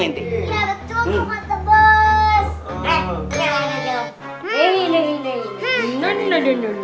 ya betul om mata bos